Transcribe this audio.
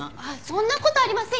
そんな事ありませんよ！